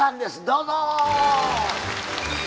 どうぞ！